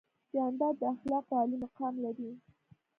جانداد د اخلاقو عالي مقام لري.